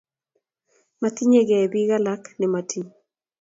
Matiyaniekei pik alak ne motiny.